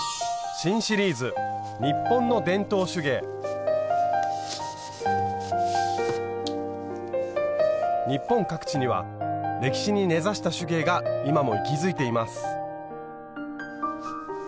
新シリーズ日本各地には歴史に根ざした手芸が今も息づいています。